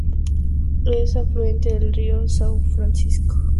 Es afluente del río São Francisco.